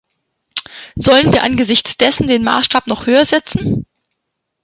Sollen wir angesichts dessen den Maßstab noch höher setzen?